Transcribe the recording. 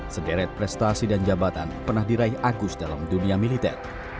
sederet prestasi dan jabatan pernah diraih agus dalam dunia militer